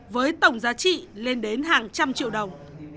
với tổng giá trị lên đến hàng trăm triệu đồng